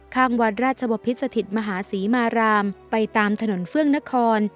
ข้างวัดราชบพิษสถิตมหาศรีมารามไปตามถนนเฟื่องนคร